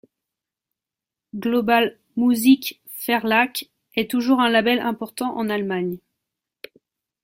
Global Musikverlag est toujours un label important en Allemagne.